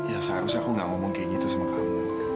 ya seharusnya aku gak ngomong kayak gitu sama kamu